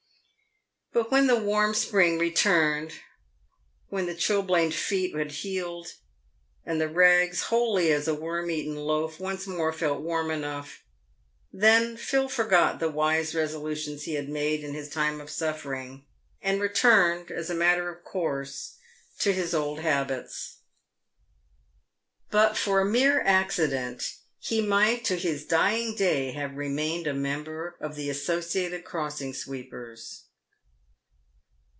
But when the warm spring returned, when the chilblained feet had healed, and the rags, holey as a worm eaten leaf, once more felt warm enough, then Phil forgot the wise resolutions he had made in his time of suffering, and returned, as a matter of course, to his old habits. But for a mere accident he might to his dying day have remained a member of the Associated Crossing Sweepers.